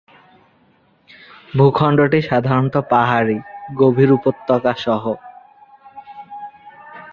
ভূখণ্ডটি সাধারণত পাহাড়ি, গভীর উপত্যকা সহ।